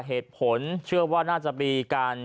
เหตุผลเชื่อว่าน่าจะมีการ